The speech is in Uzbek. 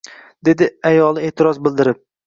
Dedi ayoli e`tiroz bildirib